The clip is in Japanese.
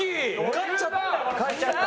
勝っちゃった。